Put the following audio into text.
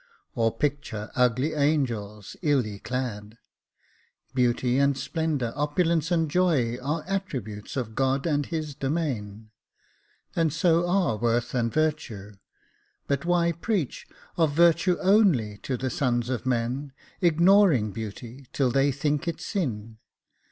Or picture ugly angels, illy clad? Beauty and splendour, opulence and joy, Are attributes of God and His domain, And so are worth and virtue. But why preach Of virtue only to the sons of men, Ignoring beauty, till they think it sin?